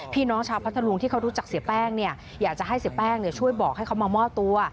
พี่น้องชาวพัทธรุงที่เขารู้จักเสียแป้งเนี่ยอยากจะให้เสียแป้งช่วยบอกให้เขามามอบตัว